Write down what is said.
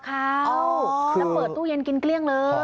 แล้วเปิดตู้เย็นกินเกลี้ยงเลย